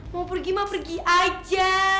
mau pergi mah pergi aja